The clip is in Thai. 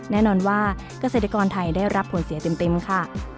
แน่นอนว่าเกษตรกรไทยได้รับผลเสียเต็มค่ะ